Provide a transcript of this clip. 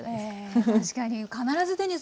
確かに。